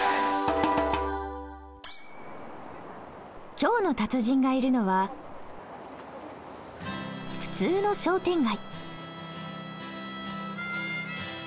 今日の達人がいるのは普通の商店街。